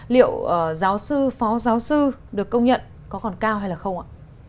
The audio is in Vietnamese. liệu giáo sư phò giáo sư được công nhận có còn cao hay không ạ